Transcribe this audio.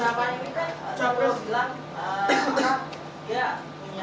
nah ini tempatnya empat tapi untuk yang sejauh terpanjang ini pak